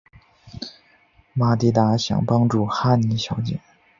玛蒂达想帮助哈妮小姐。